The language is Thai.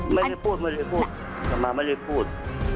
ไม่ได้พูดไม่ได้พูดแต่มาไม่ได้พูด